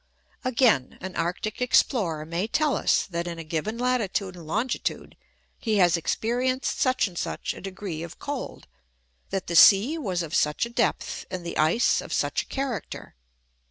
Again, an Arctic explorer may tell us that in a given latitude and longitude he has experienced such and such a degree of cold, that the sea was of such a depth, and the ice of such a character.